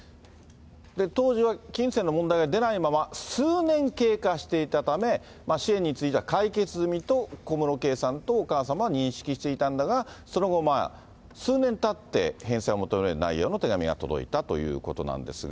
当時は金銭の問題は出ないまま、数年経過していたため、支援については解決済みと小室圭さんとお母様は認識していたんだが、その後、数年たって返済を求める内容の手紙が届いたということなんですが。